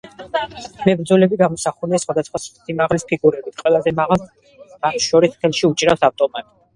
მებრძოლები გამოსახულია სხვადასხვა სიმაღლის ფიგურებით, ყველაზე მაღალს მათ შორის ხელში უჭირავს ავტომატი.